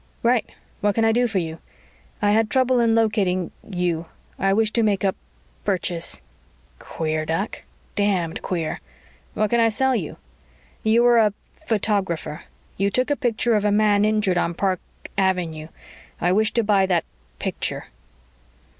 "Right. What can I do for you?" "I had trouble in locating you. I wish to make a purchase." Queer duck. Damned queer. "What can I sell you?" "You are a photographer. You took a picture of a man injured on Park Avenue. I wish to buy that picture."